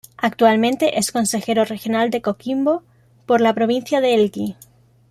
Actualmente es consejero regional de Coquimbo por la Provincia de Elqui.